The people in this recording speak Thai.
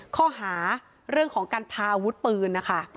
ข้อหาเรื่องของการพาอาวุธปืนนะคะ